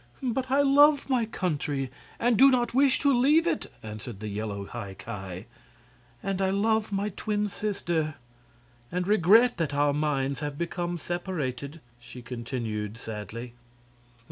"But I love my country, and do not wish to leave it," answered the yellow High Ki. "And I love my twin sister, and regret that our minds have become separated," she continued, sadly.